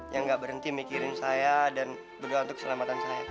yang gak berhenti mikirin saya dan berdoa untuk keselamatan saya